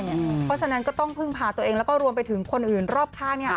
เพราะฉะนั้นก็ต้องพึ่งพาตัวเองแล้วก็รวมไปถึงคนอื่นรอบข้าง